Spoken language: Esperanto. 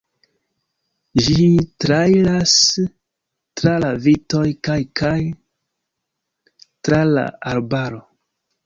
Ĝi trairas tra la vitoj kaj kaj tra la arbaro.